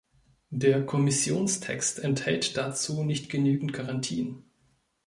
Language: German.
Der Kommissionstext enthält dazu nicht genügend Garantien.